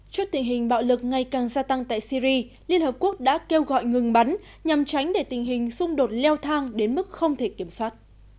trước tình hình bạo lực ngày càng gia tăng tại syri liên hợp quốc đã kêu gọi ngừng bắn nhằm tránh để tình hình xung đột leo thang đến mức không thể kiểm soát